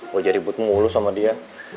gue jadi butuh mulus sama dia